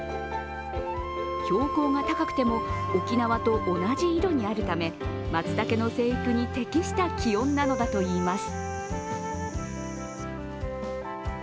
標高が高くても、沖縄と同じ緯度にあるため、まつたけの生育に適した気温なのだといいます。